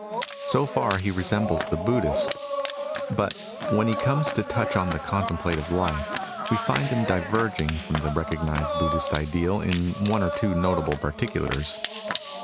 So far he resembles the Buddhist. But when he comes to touch on the contemplative life, we find him diverging from the recognised Buddhist ideal in one or two notable particulars.